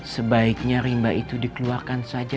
sebaiknya rimba itu dikeluarkan saja